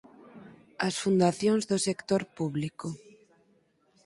As fundacións do sector público.